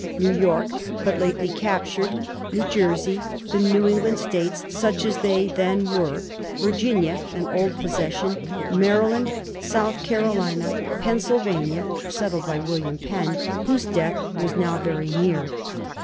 New York, but lately captured ; New Jersey, the New England States, such as they then were, Virginia (an old possession), Maryland, South Carolina, Pennsylvania (settled by William Penn), whose death was now very near.